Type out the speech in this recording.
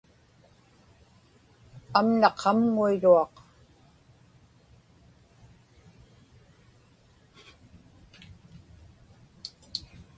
amna qamŋuiruaq